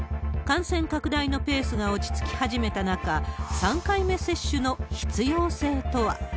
感染拡大のペースが落ち着き始めた中、３回目接種の必要性とは。